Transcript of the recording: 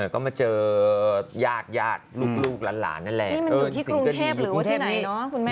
ก็มาเจอหยาดหยาดลูกหลานนั่นแหละนี่มันอยู่ที่กรุงเทพหรือไหนเนาะคุณแม่